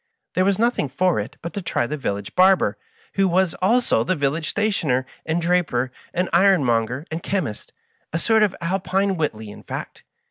There was nothing for it but to try the village barber, who was also the village stationer, and draper, and iron monger, and chemist — a sort of Alpine Whiteley, in fact.